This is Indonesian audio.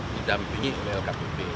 didampingi oleh kpk